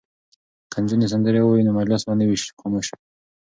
که نجونې سندرې ووايي نو مجلس به نه وي خاموش.